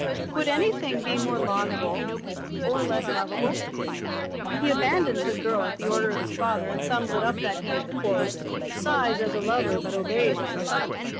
Could anything be more laudable—or less lovable? He abandons his girl at the order of his father, and sums it up that he "sighs as a lover but obeys as a son."